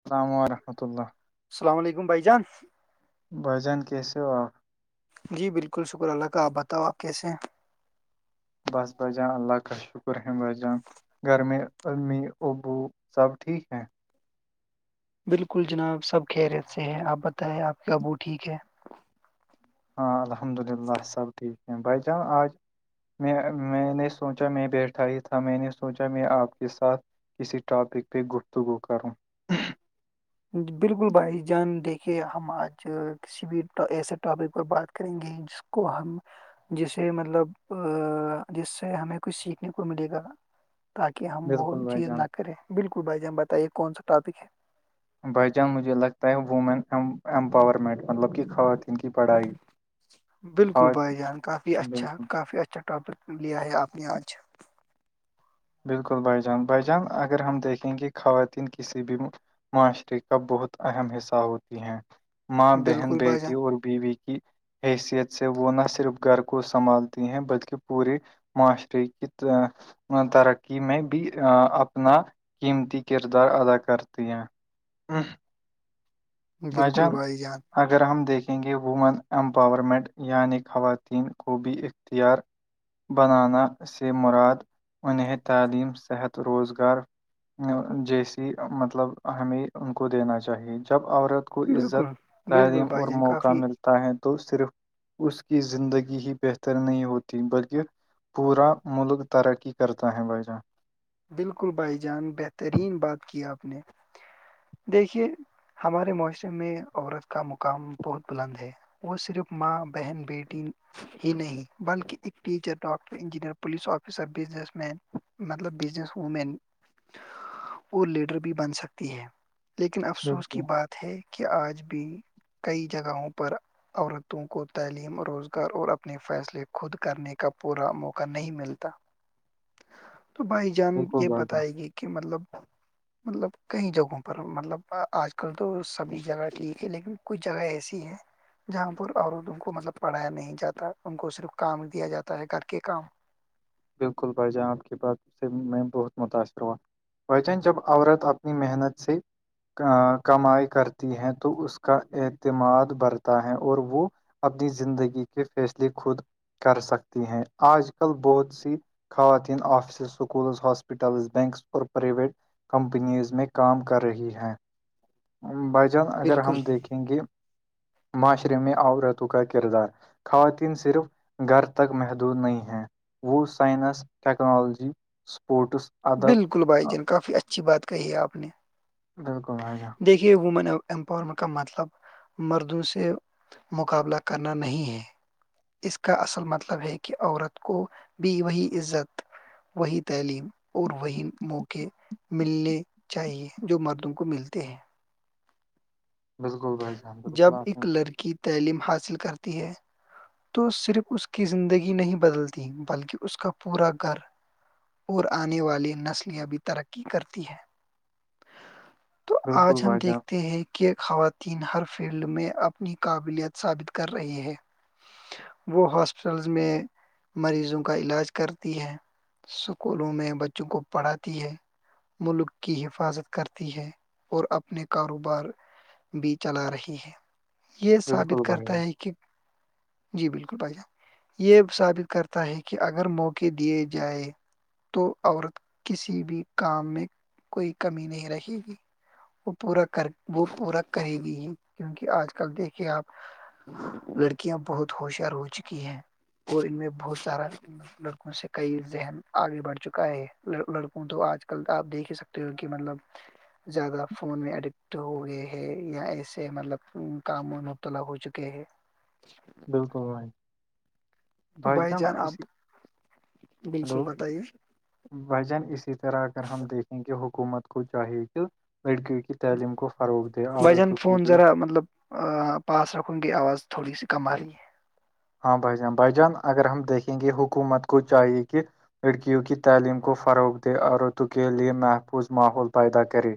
السلام وورحمۃ اللہ السلام علیکم بھائی جان بھجن کیسے ہو جی بالکل شکر اللہ کا آپ بتاؤ آپ کیس ہیں بس بجان اللہ کا شکر ہ باجان گھر میں امی ابو سب ٹھیک ہیں بالکل جناب سب کہ رت سے ہے آپ بتائیں آپ کا ابو ٹھیک ہے ہاں الحمد للہ سب ٹھیک ہیں بائی جان آج میں میں نے سوچا میں بیٹھا ہی تھا میں نے سوچا میں آپ کے ساتھ کسی ٹاپک پہ گفتگو کروں بالکل بھائی جان دیکھے ہم آج کسی بھی ایسے ٹاپک پر بات کریں گے جس کو ہم جسے مطلب جس سے ہمیں کچھ سیکھنے کو ملے گا نا تاکہ ہم وہ بالکل بھائی چیز نہ جان کریں بالکل بھائی جی ہم بتائیے کون سا ٹاپک ہے بائی چانس مجھے لگتا ہے وومن ایمپاورمنٹ مطلب کہ خواتین کی پڑھائی بالکل خوات بھائی جان کافی اچھا بالکل کافی اچھا ٹاپک لیا ہے آپ نے آج بالکل بھائی جان بائی جان اگر ہم دیکھیں گے خواتین کسی بھی معاشرے کا بہت اہم حصہ ہوتی ہیں ماں بہن بالکل بھائی بیٹی جان اور بیوی کی حیثیت سے وہ نہ صرف گھر کو سنبھالتی ہیں بلکہ پوری معاشر کیت [inaudible] ترقی میں بھی اپنا قیمتی کردار ادا کرتی ہیں ہاں [inaudible] بالکل بجان بھائی جان اگر ہم دیکھیں گے وومن ایمپاورمنٹ یعنی خواتین کو بھی اختیار بنانا سے مراد انہیں تعلیم صحت روزگار جیسی مطلب ہمیں ان کو دینا چاہیے جب عورت کو کو بالکل عزت بالکل تعلیم بھائی اور جان موقع کافی ملتا ہے تو صرف اس کی زندگی ہی بہتر نہیں ہوتی بلکہ پورا ملک ترقی کرتا ہے بھائی جان بالکل بھائی جان بہترین بات کی آپ نے دیکھیے ہمارے معاشرے میں عورت کا مقام بہت بلند ہے وہ صرف ماں بہن بیٹی ہی نہیں بلکہ ایک teacher doctor engineer police officer business man مطلب بزنس وومین اور لیڈر بھی بن سکتی ہیں لیکن افسوس کی بالکل بات ہے کہ آج بھی کئی جگہوں پر عورتوں کو تعلیم روزگار اور اپنے فیصلے خود کرنے کا پورا موقع نہیں ملتا تو بھائی جان بالکل یہ بھائی جان بتائے گی کہ مطلب مطلب کئی جگہوں پر مطلب آج کل تو سبھی جگہ ٹھیک ہے لیکن کچھ جگہ ایسی ہیں جہاں پر عورتوں کو مطلب پڑھایا نہیں جاتا ان کو صرف کام دیا جاتا ہے گھر کے کام بالکل ب جائیں آپ کی بات سے میں بہت متاثر ہوا بھچان جب عورت اپنی محنت سے کمائی کرتی ہے تو اس کا اعتماد بڑھتا ہے اور وہ اپنی زندگی کے فیصلے خود کر سکتی ہیں آج کل بہت خواتین آفسز سکولز ہاسپٹلز بینکس اور پریویٹ کمپنیز میں کام کر رہی ہیں بھ جان اگر بالکل ہم دیکھیں گے معاشرے میں عورتوں کا کردار خواتین صرف گھر تک محدود نہیں ہیں وہ سائنس ٹیکنالوجی سپوٹس بالکل بھائی جان کافی اچھی بات کہی ہے آپ نے بالکل بھ ج دیکھیے وومن امپاورمنٹ کا مطلب مردوں سے مقابلہ کرنا نہیں ہے اس کا اصل مطلب ہے کہ عورت کو بھی وہی عزت وہی تعلیم اور وہی موقع ملنے چاہیے جو مردوں کو ملتے ہیں بالکل بھائی جان بالکل جب آ ایک لڑکی تعلیم حاصل کرتی ہے تو صرف اس کی زندگی نہیں بدلت بلکہ اس کا پورا گھر اور آنے والی نسلیاں بھی ترقی کرتی ہیں [unintelligible] تو آج ہم بھائی جان دیکھتے ہیں کہ خوات تین ہر فیلڈ میں اپنی قابلیت ثابت کر رہی ہے وہ ہاسپٹلز میں مریضوں کا علاج کرتی ہے اسکولوں میں بچوں کو پڑھاتی ہے ملک کی حفاظت کرتی ہے اور اپنے کاروبار بھی چلا رہی ہے یہ ثابت بالکل کرتا بھیا ہے کہ جی بالکل بھائی جان یہ ثابت کرتا ہے کہ اگر موقع دیے جائے تو عورت کسی بھی کام میں کوئی کمی نہیں رہکھے گی وہ پورا کر وہ پورا کرے گی ہی کیونکہ آج کل دیکھیے آپ لڑکیاں بہت ہوشیار ہو چکی ہیں اور ان میں بہت سارا لڑکوں سے کئی ذہن آگے بڑھ چکا ہے لڑکوں تو آج کل آپ دیکھ ہی سکتے کہ مطلب زیادہ فون میں اڈکٹ ہو گئے یا ایسے مطلب کام مبتلا ہو چکے ہے بالکل وائی تو بچ بھائی جان آپ اسسی ہلو بالکل بتائیے بھجن اسی طرح اگر ہم دیکھیں کی کہ حکومت کو چاہی کہ لڑکیوں کی تعلیم کو فروغ دے بھائی جان عورتوں کے فون لیے ذرا مطلب پاس رکھن کی آواز تھوڑی س کمہلی ہاں بھائی جان بھائی جان اگر ہم دیکھیں گے حکومت کو چاہیے کہ لڑکیوں کی تعلیم کو فروغ دے عورتوں کے لیئے محفوظ ماحول پیدا کرے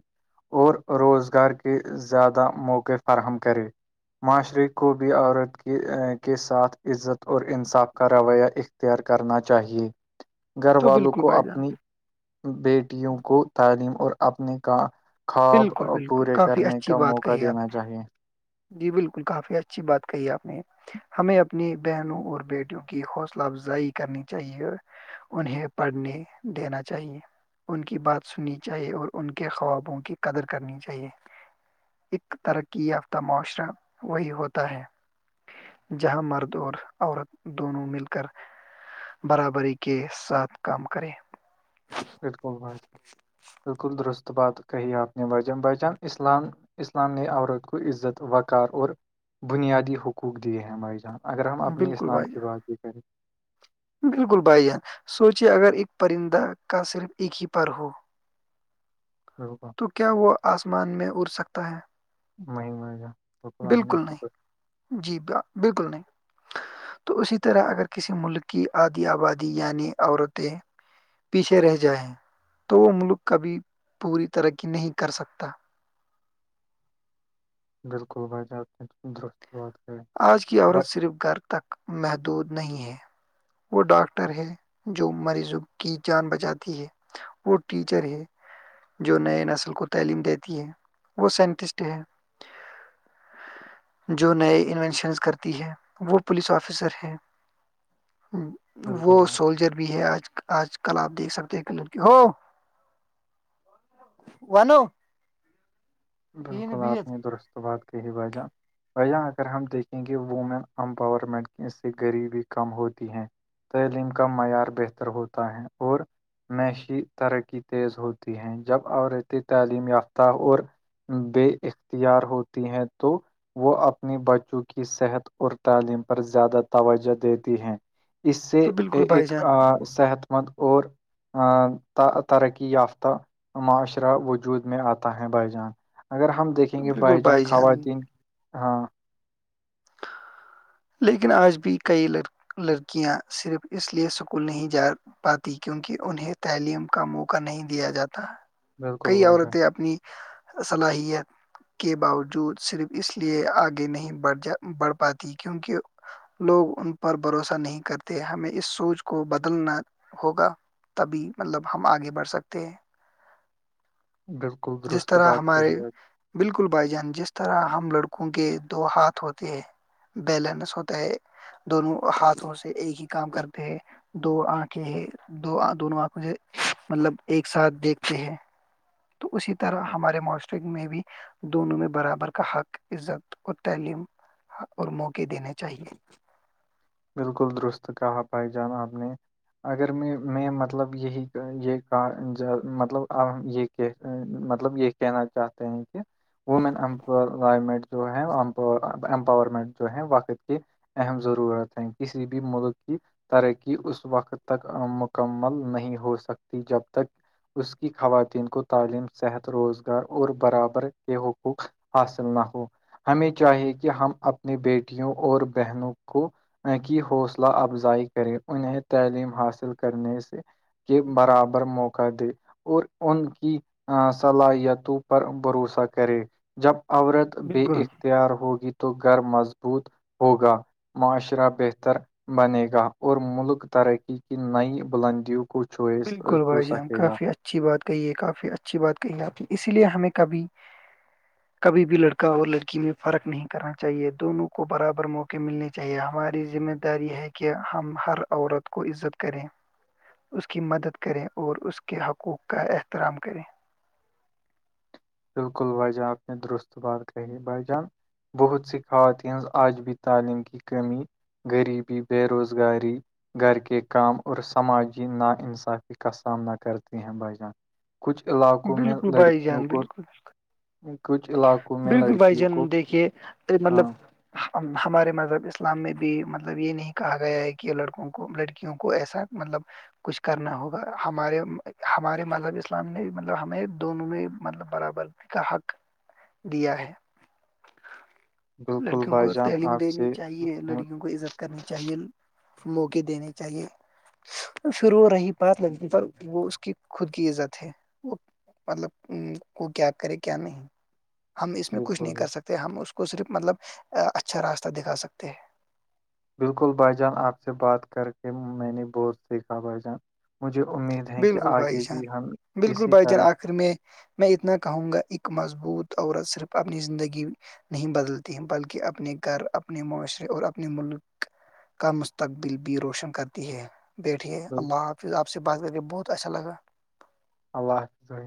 اور روزگار کے زیادہ موقع فراہم کرے معاشرے کو بھی عورت کے کے ساتھ عزت اور انصاف کا رویہ اختیار کرنا چاہیئے گھر تو والوں بالکل کو بھائی جان اپنی بیٹیوں کو تعلیم اور اپنے کا خواب بالکل بالکل پورے کافی کرنے اچھی کا بات موقع کہی آپ دینا نے چاہیے جی بالکل کافی اچھی بات کہی آپ نے ہمیں اپنی بہنوں اور بیٹیوں کی حوصلہ افزائی کرنی چاہیے انہیں پڑھنے دینا چاہیے ان کی بات سننی چاہئے اور ان کے خوابوں کی قدر کرنی چاہیے ایکک ترقی یافتہ معاشرہ وہی ہوتا ہے جہاں مرد اور عورت دونوں مل کر برابری کے ساتھ کام کریں بالکل بچان بالکل درست بات کہی آپ نے بجان بچان اسلام اسلام نے عورت کو عزت وقار اور بنیادی حقوق دیے ہیں ہمارے جہاں اگر ہم اپنی بالکل اسلام بھائی کی بات بھی کریں بالکل بھائی جان سوچے اگر ایک پرندہ کا صرف ایک ہی پرار ہو ہو کو تو کیا وہ آسمان میں اڑ سکتا ہے مہم گا بالکل نہیں جی بالکل نہیں تو اسی طرح اگر کسی ملک کی آادی آبادی یعنی عورتیں پیچھے رہ جائیں تو وہ ملک کبھی پوری ترقی نہیں کر سکتا بالکل بجار تم سند دست بہت آج کی عورت صرف گھر تک محدود نہیں ہے وہ ڈاکٹر ہے جو مریضوں کی جان بچاتی ہے وہ ٹیچر ہے جو نئے نسل کو تعلیم دیتی ہے وہ سائنٹسٹ ہے جو نہیں انوینشنس کرتی ہے وہ پولیس آفیسر ہیں بالکل وہ بھائی جان۔ سولجر بھی ہے آج آج کل آپ دیکھ سکتے ہیں ک کی ہو ونو تین بالکل آپ بیت نے درست بات کے ہی باجہ بیاں اگر ہم دیکھیں گے وومن امپاورمنٹ اس سے غریبی کم ہوتی ہیں تعلیم کا معیار بہتر ہوتا ہے اور معیشی ترقی تیز ہوتی ہیں جب عورتیں تعلیم یافتہ اور بے اختیار ہوتی ہیں تو وہ اپنی بچوں کی صحت اور تعلیم پر زیادہ توجہ دیتی ہیں اس سے تو بالکل بھائی ایک جان صحت مند اور ترقی یافتہ معاشرہ وجود میں آتا ہے بائی جان اگر ہم دیکھیں گے بھائی جان خواتین ہاں لیکن آج بھی کئی ل لڑکیاں صرف اس لیے سکول نہیں جا پاتی کیونکہ انہیں تعلیم کا موقع نہیں دیا جاتا بالکل کئی بھائی جان عورتیں اپنی صلاحیت کے باوجود صرف اس لیے آگے نہیں بڑھ جا بڑھ پاتی کیونکہ لوگ ان پر بھروسہ نہیں کرتے ہمیں اس سوچ کو بدلنا ہوگا تبھی مطلب ہم آگے بڑھ سکتے ہیں بالکل جس درست طرح بات کہی ہمارے آج بالکل بھائی جان جس طرح ہم لڑکوں کے دو ہاتھ ہوتے ہیں بیلنس ہوتا ہے دونوں ہاتھوں سے ایک ہی کام کرتے ہیں دو آنکھیں ہیں دو آ دونوں آنکھ مھے مطلب ایک ساتھ دیکھتے ہیں تو اسی طرح ہمارے معاشرق میں بھی دونوں میں برابر کا حق عزت اور تعلیم اور موقع دینے چاہیے بالکل درست کہا بھائی جان آپ نے اگر میں میں مطلب یہی یہ کا مطلب یہ کہ مطلب یہ کہنا چاہتے ہیں کہ وومین امپائمنٹ جو ہے امپاورمنٹ جو ہے وقت کی اہم ضرورت ہے کسی بھی ملک کی ترقی اس وقت تک مکمل نہیں ہو سکتی جب تک اس کی خواتین کو تعلیم صحت روزگار اور برابر کے حقوق حاصل نہ ہو ہمیں چاہیے کہ ہم اپنی بیٹیوں اور بہنوں کو کی حوصلہ افزائی کرے انہیں تعلیم حاصل کرنے سے کے برابر موقع دے اور ان کی صلاحیتوں پر بھروسہ کرے جب عورت بے بالکل اختیار ہوگی تو گھر مضبوط ہوگا معاشرہ بہتر بنے گا اور ملک ترقی کی نئی بلندیوں کو کچ چئے بالکل چ بھائی جان سکے گا کافی اچھی بات کہی ہے کافی اچھی بات کہی ہے آپ نے اسی لیے ہمیں کبھی [unintelligible] کبھی بھی لڑکا اور لڑکی میں فرق نہیں کرنا چاہیے دونوں کو برابر موقع ملنے کے چاہیے ہماری ذمہ داری ہے کہ ہم ہر عورت کو عزت کریں اس کی مدد کریں اور اس کے حقوق کا احترام کریں بالکل وجا آ اپ نے درست بار کہ باجان بہت س خوات ہ آج بھی تعلیم کی کمی غریبی بے روزگاری گھر کے کام اور سماجی ناانصافی کا سامنا کرتے ہیں بائی جان کچھ علاقوں میں بالکل بھائی لڑکیوں جان کو بالکل بک کچھ علاقوں میں بالکل بھائی لڑکیوں جان کو دیکھیے مطلب ہاں ہمارے مذہب اسلام میں بھی مطلب یہ نہیں کہا گیا ہے کہ لڑکوں کو لڑکیوں کو ایسا مطلب کچھ کرنا ہوگا ہمارے ہمارے مذہب اسلام نے مطلب ہمیں دونوں نے مطلب برابر کا حق دیا ہے [unintelligible] لڑکیوں کو بھائی جان تعلیم آپ دینی سے چاہیے لڑکیوں کو عزت کرنی چاہیے موقے دنے چاہیے پر وہ رہی بات لگی پر وہ اس کی خود کی عزت ہے وہ مطلب وہ کیا کرے کیا نہیں ہم اس میں کچھ نہیں بالکل کر سکتے ہم اس کو صرف مطلب اچھا راستہ دکھا سکتے ہیں بالکل بھائی جان آپ سے بات کر کے میں نے بوج سیکھا بھائی جان مجھے امید ہے کہ آگے بھی ہم اسی طرح فخر میں میں اتنا کہوں گا ایک مضبوط عورت صرف اپنی زندگی نہیں بدلتی ہیں بلکہ اپنے گھر اپنے معاشرے اور اپنے ملک کا مستقبل بھی روشن کرتی ہے بیٹھیے بالکل اللہ حافظ آپ سے بات کر کے بہت اچھا لگا اللہ حافظم